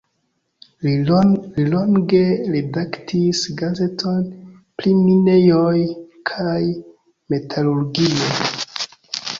Li longe redaktis gazeton pri minejoj kaj metalurgio.